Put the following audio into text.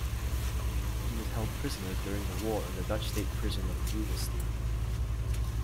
He was held prisoner during the war in the Dutch state prison of Loevestein.